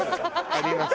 あります。